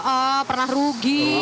oh pernah rugi